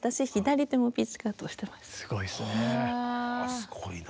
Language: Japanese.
すごいな。